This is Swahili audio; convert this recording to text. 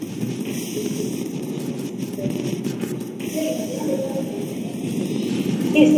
iliisha ilisitishwa saa sita usiku La hasha Fiesta ilipigwa mpaka asubuhi kwa kuwa alikuwepo